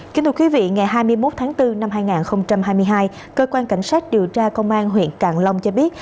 kính thưa quý vị ngày hai mươi một tháng bốn năm hai nghìn hai mươi hai cơ quan cảnh sát điều tra công an huyện càng long cho biết